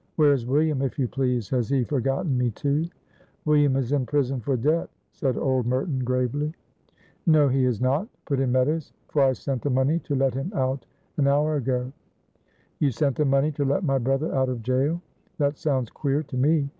Where is William, if you please? Has he forgotten me, too?" "William is in prison for debt," said old Merton, gravely. "No, he is not," put in Meadows, "for I sent the money to let him out an hour ago." "You sent the money to let my brother out of jail? That sounds queer to me.